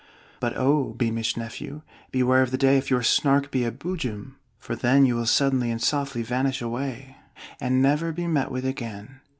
"'But oh, beamish nephew! beware of the day If your Snark be a Boojum! For then You will softly and suddenly vanish away, And never be met with again!'